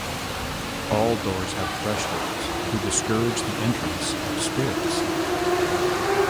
All doors have thresholds to discourage the entrance of spirits.